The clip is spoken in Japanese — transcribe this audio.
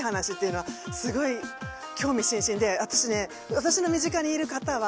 私の身近にいる方は。